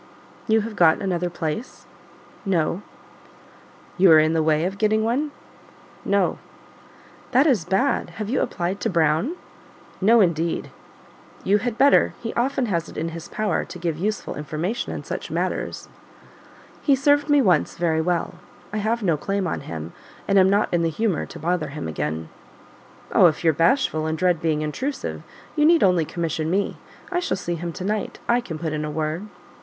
"You have got another place?" "No." "You are in the way of getting one?" "No." "That is bad; have you applied to Brown?" "No, indeed." "You had better; he often has it in his power to give useful information in such matters." "He served me once very well; I have no claim on him, and am not in the humour to bother him again." "Oh, if you're bashful, and dread being intrusive, you need only commission me. I shall see him to night; I can put in a word."